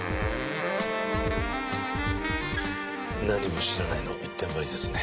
「何も知らない」の一点張りですね。